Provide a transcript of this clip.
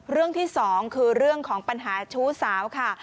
เรื่องที่สองคือเรื่องของปัญหาชู้สาวค่ะ